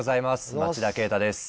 町田啓太です。